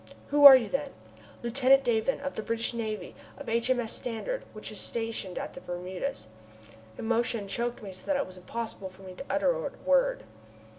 "Who are you, then?" "Lieutenant Davon, of the British Navy, of H.M.S. Standard, which is stationed at the Bermudas." Emotion choked me so that it was impossible for me to utter a word.